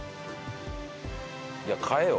いや買えよ。